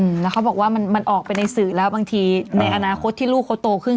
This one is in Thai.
แล้วเขาบอกว่ามันมันออกไปในสื่อแล้วบางทีในอนาคตที่ลูกเขาโตขึ้น